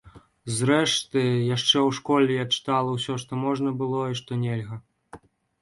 Зрэшты, яшчэ ў школе я чытала ўсё, што можна было і што нельга.